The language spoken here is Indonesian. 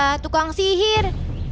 tidak ada tukang sihir